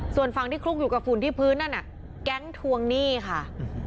ส่วนฝั่งที่คลุกอยู่กับฝุ่นที่พื้นนั่นน่ะแก๊งทวงหนี้ค่ะ